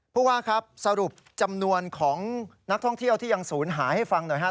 ผู้ว่าครับสรุปจำนวนของนักท่องเที่ยวที่ยังศูนย์หายให้ฟังหน่อยฮะ